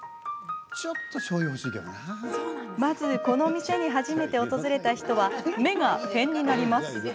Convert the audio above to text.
まず、この店に初めて訪れた人は目が点になります。